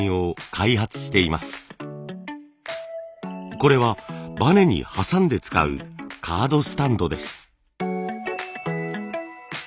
これはバネに挟んで使うカードスタンドです。